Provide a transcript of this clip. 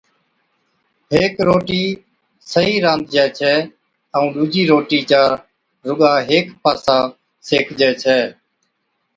ھيڪ روٽِي صحيح رانڌجَي ڇَي ائُون ڏُوجِي روٽِي چا رُگا ھيڪ پاسا سيڪجَي ڇَي